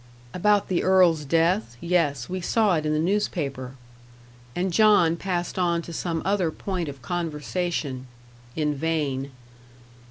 "About the earl's death. Yes, we saw it in the newspaper." And John passed on to some other point of conversation. In vain.